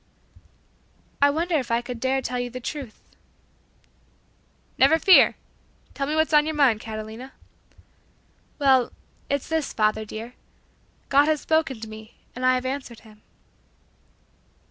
"I wonder if I could dare tell you the truth." "Never fear. Tell me what's on your mind, Catalina." "Well, it's this, father dear. God has spoken to me and I have answered Him."